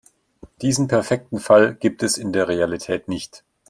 Diesen perfekten Fall gibt es in der Realität nicht.